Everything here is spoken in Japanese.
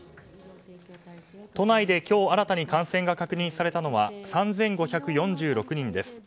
都内で今日新たに感染が確認されたのは３５４６人です。